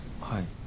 はい。